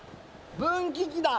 分岐器だ。